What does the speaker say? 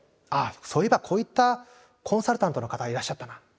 あそういえばこういったコンサルタントの方がいらっしゃったな。